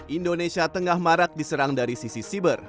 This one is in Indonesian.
indonesia tengah marak diserang dari sisi siber